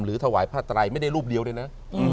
หรือถวายพระอาจารย์ไม่ได้รูปเดียวเลยนะ